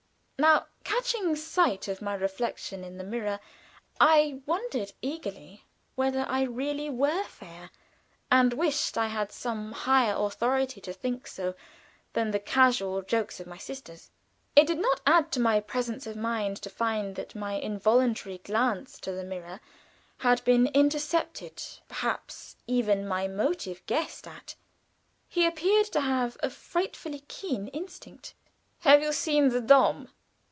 Now, catching sight of my reflection in the mirror, I wondered eagerly whether I really were fair, and wished I had some higher authority to think so than the casual jokes of my sisters. It did not add to my presence of mind to find that my involuntary glance to the mirror had been intercepted perhaps even my motive guessed at he appeared to have a frightfully keen instinct. "Have you seen the Dom?"